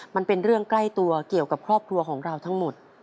มันเป็นเรื่องใกล้ตัวเกี่ยวกับครอบครัวของเราทั้งหมด